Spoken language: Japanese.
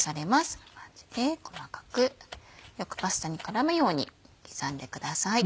こんな感じで細かくよくパスタに絡むように刻んでください。